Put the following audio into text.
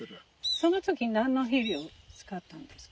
その時何の肥料を使ったんですか？